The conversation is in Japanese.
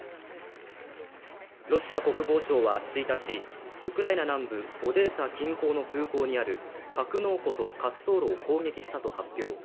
ロシア国防省は１日、ウクライナ南部オデーサ近郊の空港にある格納庫と滑走路を攻撃したと発表。